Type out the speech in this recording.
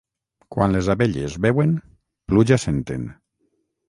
Quan les abelles beuen, pluja senten.